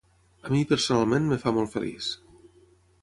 A mi personalment em fa molt feliç.